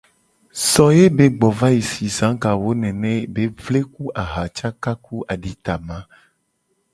So ye be gbo va si za ga wo nene be vle ku aha caka ku aditama.